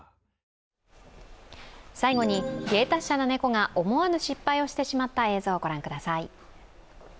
最後に、芸達者な猫が思わぬ失敗をしてしまった映像を御覧ください。